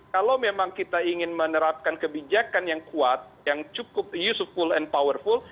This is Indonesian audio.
kalau memang kita ingin menerapkan kebijakan yang kuat yang cukup useful and powerful